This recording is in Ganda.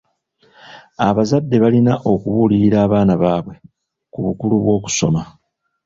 Abazadde balina okubuulirira abaana baabwe ku bukulu bw'okusoma.